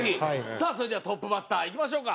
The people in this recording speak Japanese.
さあそれではトップバッターいきましょうか。